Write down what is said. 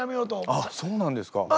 あっそうなんですか？